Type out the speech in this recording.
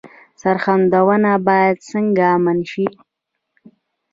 سرحدونه باید څنګه امن شي؟